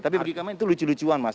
tapi bagi kami itu lucu lucuan mas